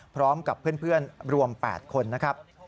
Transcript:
พร้อมกับเพื่อนรวม๘คนนะครับ